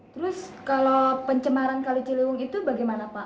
terus kalau pencemaran kali ciliwung itu bagaimana pak